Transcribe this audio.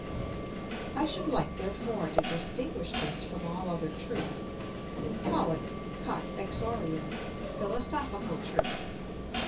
I should like therefore to distinguish this from all other truth, and call it κατ᾽ εξοχην philosophical truth.